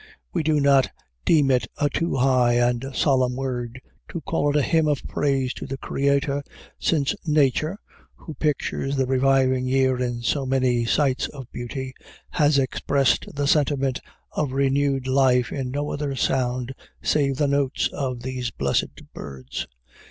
We need not deem it a too high and solemn word to call it a hymn of praise to the Creator, since Nature, who pictures the reviving year in so many sights of beauty, has expressed the sentiment of renewed life in no other sound save the notes of these blessed birds.